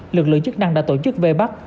lực lượng chức năng đã tổ chức về bắt